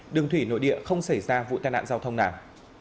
đường thủy nội địa không xảy ra vụ tai nạn giao thông nào